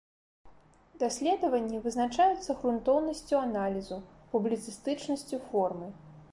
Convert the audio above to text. Даследаванні вызначаюцца грунтоўнасцю аналізу, публіцыстычнасцю формы.